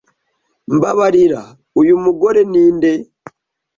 Mbabarira, uyu mugore ninde?